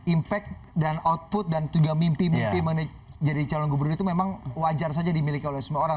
impact dan output dan juga mimpi mimpi mengenai jadi calon gubernur itu memang wajar saja dimiliki oleh semua orang